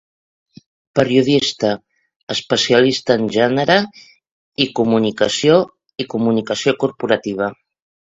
Periodista, especialista en gènere i comunicació i comunicació corporativa.